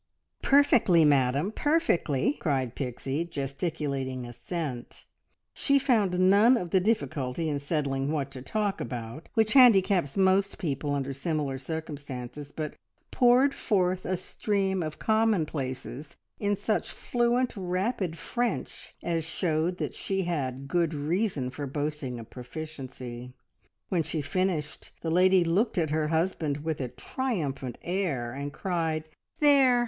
"Perfectly, madam, perfectly!" cried Pixie, gesticulating assent. She found none of the difficulty in settling what to talk about which handicaps most people under similar circumstances, but poured forth a stream of commonplaces in such fluent, rapid French as showed that she had good reason for boasting of proficiency. When she finished, the lady looked at her husband with a triumphant air, and cried "There!